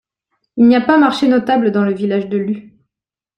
Il n’y a pas marché notable dans le village de Luh.